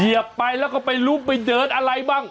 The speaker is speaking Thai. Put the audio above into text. เหยียบไปแล้วก็ไปรูปไปเดินอะไรบ้าง